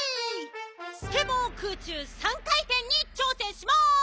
スケボー空中３かいてんにちょうせんします！